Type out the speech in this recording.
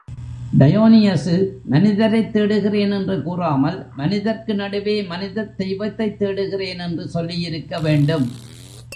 டயோனியசு மனிதரைத் தேடுகிறேன் என்று கூறாமல், மனிதர்க்கு நடுவே மனிதத் தெய்வத்தைத் தேடுகிறேன் என்று சொல்லியிருக்க வேண்டும்.